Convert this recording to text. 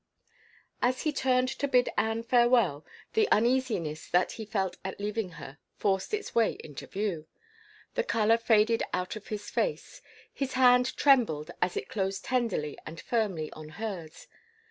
As he turned to bid Anne farewell, the uneasiness that he felt at leaving her forced its way to view. The color faded out of his face. His hand trembled as it closed tenderly and firmly on hers.